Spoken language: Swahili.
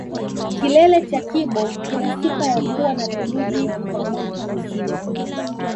kilele cha kibo kina sifa ya kuwa na theluji kwa mwaka mzima